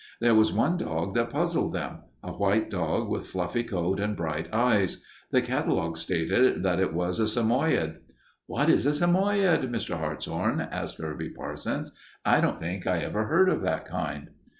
There was one dog that puzzled them a white dog with fluffy coat and bright eyes. The catalogue stated that it was a Samoyede. "What is a Samoyede, Mr. Hartshorn?" asked Herbie Parsons. "I don't think I ever heard of that kind."